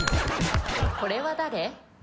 これは誰？